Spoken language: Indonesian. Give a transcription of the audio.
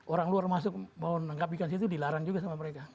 orang luar masuk mau menangkap ikan situ dilarang juga sama mereka